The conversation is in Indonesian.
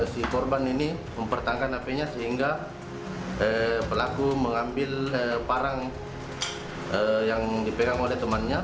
si korban ini mempertangkan hp nya sehingga pelaku mengambil barang yang diperang